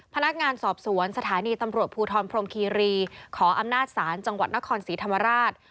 พนักงานสอบสวนสถานีตำรวจภูทรพรมคีรีขออำนาจศาลจังหวัดนครศรีธรรมราช